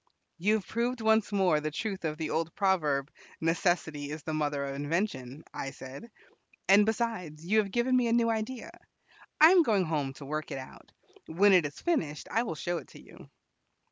"You have proved once more the truth of the old proverb, 'Necessity is the mother of invention,'" I said. "And, besides, you have given me a new idea. I am going home to work it out. When it is finished, I will show it to you."